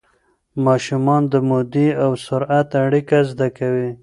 ماشومان د مودې او سرعت اړیکه زده کوي.